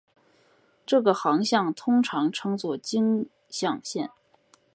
这个航向通常称作径向线。